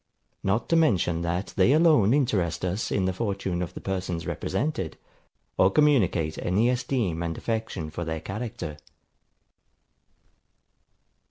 Not to mention that they alone interest us in the fortune of the persons represented, or communicate any esteem and affection for their character.